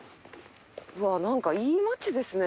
うわ何かいい街ですね